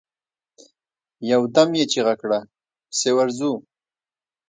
يودم يې چيغه کړه! پسې ورځو.